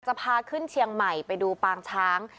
พาขึ้นเชียงใหม่ไปดูปางช้าง